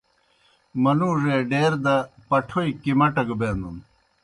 منُوڙے ڈیر دہ پٹَھوئی کِمٹہ گہ بینَن۔